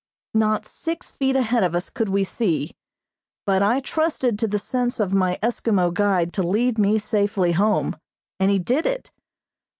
Not six feet ahead of us could we see, but I trusted to the sense of my Eskimo guide to lead me safely home, and he did it.